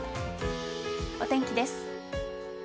お天気です。